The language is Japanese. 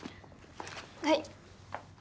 はい。